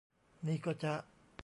นี่ก็จะ